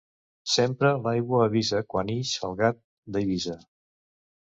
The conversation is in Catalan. Sempre l'aigua avisa, quan ix el gat d'Eivissa.